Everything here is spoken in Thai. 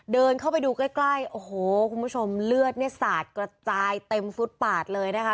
เดินเข้าไปดูใกล้ใกล้โอ้โหคุณผู้ชมเลือดเนี่ยสาดกระจายเต็มฟุตปาดเลยนะคะ